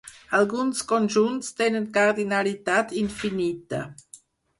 Alguns conjunts tenen cardinalitat infinita.